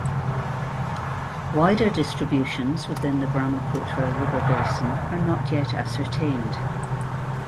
Wider distributions within the Brahmaputra River basin are not yet ascertained.